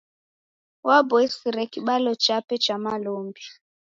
Waboisire kibalo chape cha malombi.